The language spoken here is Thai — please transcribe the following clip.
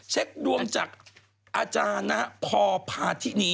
เช็คดวงจากอาจารย์นะฮะพอพาทินี